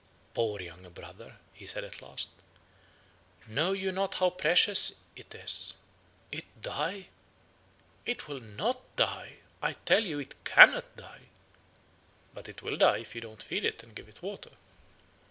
"'Poor younger brother!' he said at last, 'know you not how precious it is? It die? It will not die; I tell you, it cannot die.' "'But it will die if you don't feed it and give it water.'